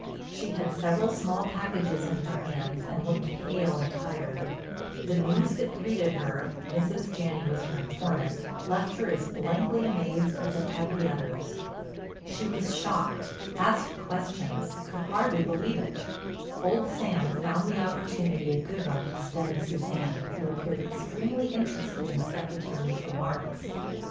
She had several small packages in her hands and looked pale and tired. The news that greeted her—Mrs. Janney was her informant—left her as blankly amazed as it had the others. She was shocked, asked questions, could hardly believe it. Old Sam found the opportunity a good one to study Suzanne, who appeared extremely interested in the Secretary's remarks.